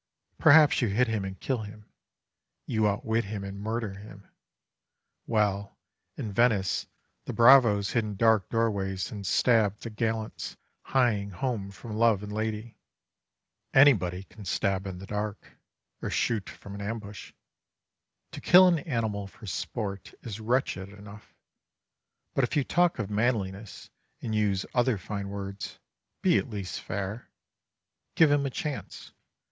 Perhaps you hit him and kill him. You outwit him and murder him. Well, in Venice the bravos hid in dark doorways and stabbed the gallants hieing home from love and lady. Anybody can stab in the dark, or shoot from an ambush. To kill an animal for sport is wretched enough; but if you talk of manliness and use other fine words, be at least fair. Give him a chance.